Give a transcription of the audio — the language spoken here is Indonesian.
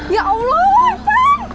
ya allah ipan